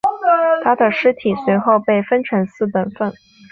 他的尸体随后被分成四等分。